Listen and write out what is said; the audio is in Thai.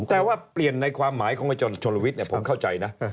แต่ว่าเปลี่ยนในความหมายของอาจารย์ชนลวิทย์ผมเข้าใจนะ